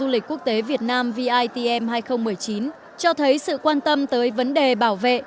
du lịch quốc tế việt nam vitm hai nghìn một mươi chín cho thấy sự quan tâm tới vấn đề bảo vệ